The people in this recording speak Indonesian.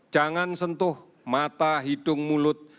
jangan sentuh mata hidung mulut